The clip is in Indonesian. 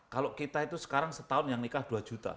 kalau kita itu sekarang setahun yang nikah dua juta